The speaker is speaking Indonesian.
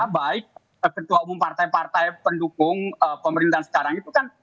baik ketua umum partai partai pendukung pemerintahan sekarang itu kan